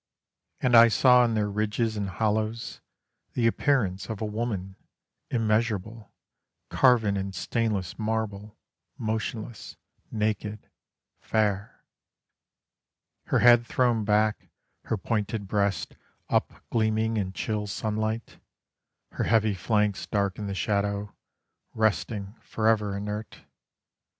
And I saw in their ridges and hollows, the appearance of a woman Immeasurable, carven in stainless marble, motionless, naked, fair: Her head thrown back, her pointed breasts up gleaming in chill sunlight, Her heavy flanks dark in the shadow, resting forever inert.